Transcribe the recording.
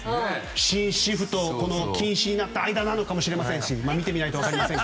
新シフト、禁止になった間なのかもしれませんし見てみないと分かりませんし。